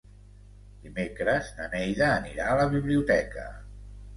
Dimecres na Neida anirà a la biblioteca.